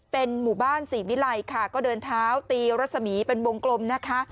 เป็นหมู่บ้านศรีวิลัยค่ะก็เดินเท้าตีรัศมีเป็นวงกลมนะคะ